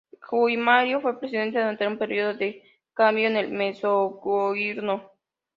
Guaimario fue príncipe durante un período de cambio en el Mezzogiorno.